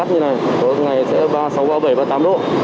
thực gắt như này có ngày sẽ ba mươi sáu ba mươi bảy ba mươi tám độ